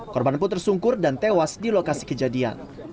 korban pun tersungkur dan tewas di lokasi kejadian